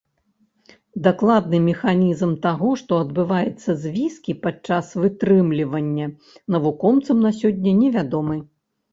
Дакладны механізм таго, што адбываецца з віскі падчас вытрымлівання, навукоўцам на сёння невядомы.